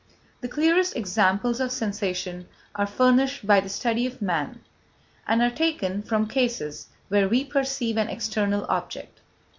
The clearest examples of sensation are furnished by the study of man, and are taken from cases where we perceive an external object.